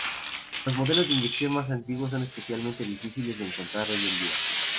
Los modelos de inyección más antiguos son especialmente difíciles de encontrar hoy en día.